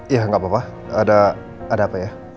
ya nggak apa apa ada apa ya